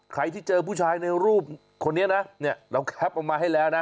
ใครที่เจอผู้ชายในรูปคนนี้นะเนี่ยเราแคปออกมาให้แล้วนะ